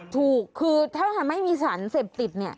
ถูกคือถ้าไม่มีสารเสพติดเนี่ย